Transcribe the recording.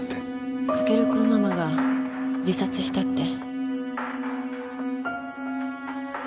翔君ママが自殺したって